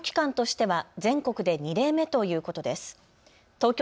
東京